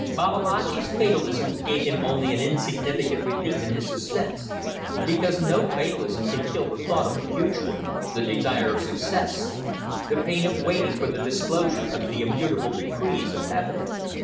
Babalatchi's fatalism gave him only an insignificant relief in his suspense, because no fatalism can kill the thought of the future, the desire of success, the pain of waiting for the disclosure of the immutable decrees of Heaven.